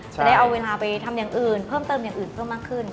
จะได้เอาเวลาไปทำอย่างอื่นเพิ่มเติมอย่างอื่นเพิ่มมากขึ้น